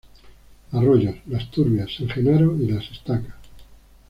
Arroyos: Las Turbias, San Genaro y Las Estacas.